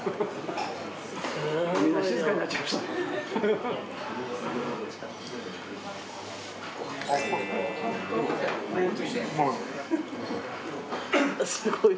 みんな静かになっちゃいましあ、うまい。